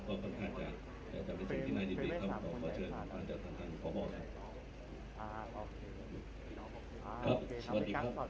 ก็ค่อนข้างจะจะไปถึงที่นายยินดีครับขอขอเชิญทางทางขอบอกครับ